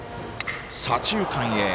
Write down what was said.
左中間へ。